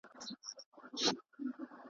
شته من هم له بدبویي سره عادت سو .